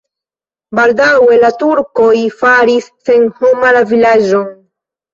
Baldaŭe la turkoj faris senhoma la vilaĝon.